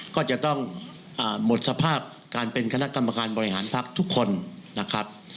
ก็จะต้องหมดสภาพการเป็นคณะกรรมการบริหารพักทุกคนนะครับ